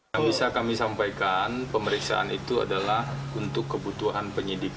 yang bisa kami sampaikan pemeriksaan itu adalah untuk kebutuhan penyidik